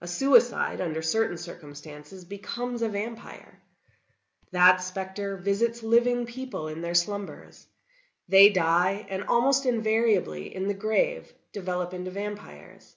A suicide, under certain circumstances, becomes a vampire. That specter visits living people in their slumbers; they die, and almost invariably, in the grave, develop into vampires.